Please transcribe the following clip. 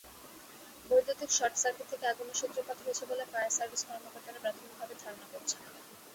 বৈদ্যুতিক শর্টসার্কিট থেকে আগুনের সূত্রপাত হয়েছে বলে ফায়ার সার্ভিস কর্মকর্তারা প্রাথমিকভাবে ধারণা করছেন।